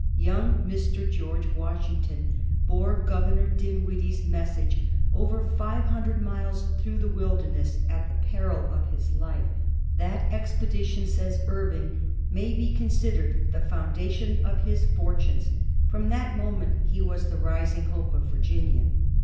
Young Mr. George Washington bore Governor Dinwiddle's message over 600 miles through the wilderness at the peril of his life. That expedition, says Irving, " may be considered the founda tion of his fortunes. From that moment he was the ris ing hope of Virginia."